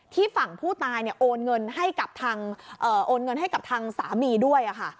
ที่ฝั่งผู้ตายเนี่ยโอนเงินให้กับทางสามีด้วยอ่ะค่ะ